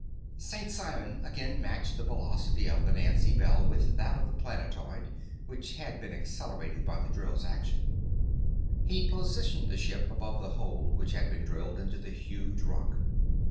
St. Simon again matched the velocity of the Nancy Bell with that of the planetoid, which had been accelerated by the drill's action. He positioned the ship above the hole which had been drilled into the huge rock.